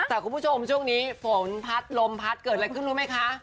แต่คุณผู้ชมช่วงนี้ฝนพัดลมพัดเกิดอะไรขึ้นรู้ไหมคะ